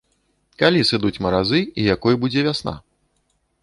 Калі сыдуць маразы і якой будзе вясна?